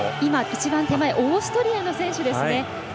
一番手前オーストリアの選手ですね。